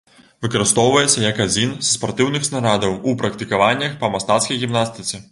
Выкарыстоўваецца як адзін са спартыўных снарадаў у практыкаваннях па мастацкай гімнастыцы.